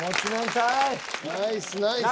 ナイスナイス。